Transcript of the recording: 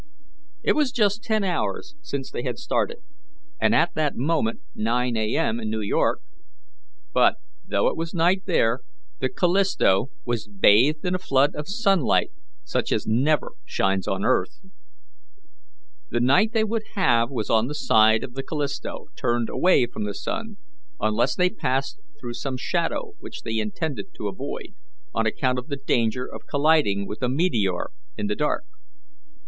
It was just ten hours since they had started, and at that moment 9 A. M. in New York; but, though it was night there, the Callisto was bathed in a flood of sunlight such as never shines on earth. The only night they would have was on the side of the Callisto turned away from the sun, unless they passed through some shadow, which they intended to avoid on account of the danger of colliding with a meteor in the dark.